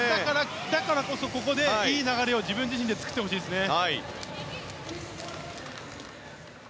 だからこそ、ここでいい流れを自分自身で作ってほしいですね。